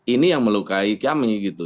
ini yang melukai kami gitu